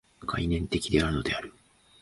概念的であるのである。